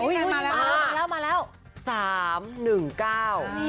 อุ้ยมาแล้ว